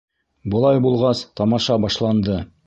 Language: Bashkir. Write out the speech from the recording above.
Былай булғас, тамаша башланды.